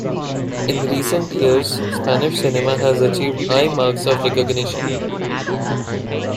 In recent years, Spanish cinema has achieved high marks of recognition.